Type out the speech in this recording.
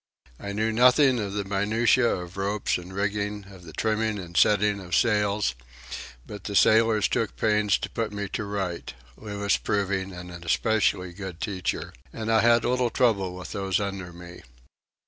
I knew nothing of the minutiæ of ropes and rigging, of the trimming and setting of sails; but the sailors took pains to put me to rights,—Louis proving an especially good teacher,—and I had little trouble with those under me.